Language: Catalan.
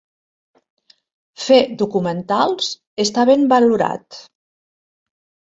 Fer documentals està ben valorat.